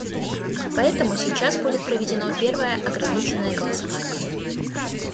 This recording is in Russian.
Поэтому сейчас будет проведено первое ограниченное голосование.